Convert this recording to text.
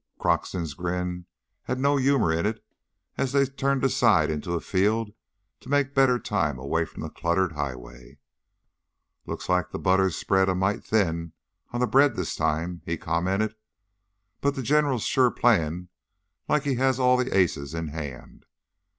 Croxton's grin had no humor in it as they turned aside into a field to make better time away from the cluttered highway. "Looks like the butter's spread a mite thin on the bread this time," he commented. "But the General's sure playin' it like he has all the aces in hand.